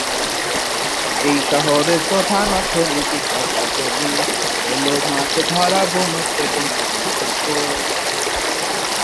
এই শহরের প্রধান অর্থনৈতিক কার্যাবলী হলো মাছ ধরা, বনজ এবং সুগন্ধি শিল্প।